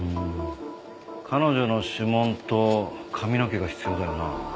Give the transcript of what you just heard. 彼女の指紋と髪の毛が必要だよな。